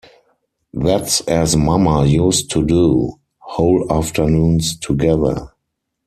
That’s as mamma used to do, whole afternoons together.